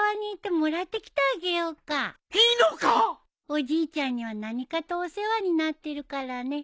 おじいちゃんには何かとお世話になってるからね。